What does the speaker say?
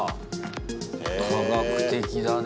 科学的だね。